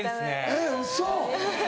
えっウソ。